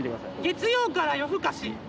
『月曜から夜ふかし』。